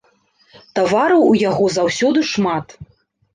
Тавараў у яго заўсёды шмат.